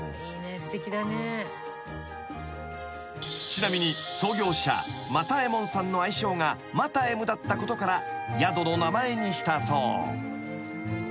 ［ちなみに創業者又右衛門さんの愛称がマタエムだったことから宿の名前にしたそう］